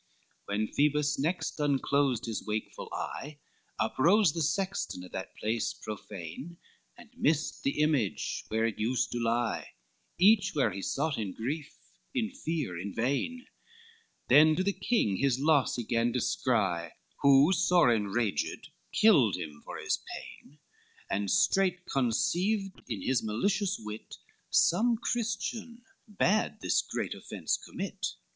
VIII When Phoebus next unclosed his wakeful eye, Up rose the sexton of that place profane, And missed the image, where it used to lie, Each where he sough in grief, in fear, in vain; Then to the king his loss he gan descry, Who sore enraged killed him for his pain; And straight conceived in his malicious wit, Some Christian bade this great offence commit.